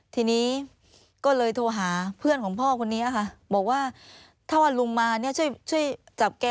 ทีนี้ก็เลยโทรหาเพื่อนของพ่อคนนี้ค่ะบอกว่าถ้าว่าลุงมาเนี่ยช่วยจับแก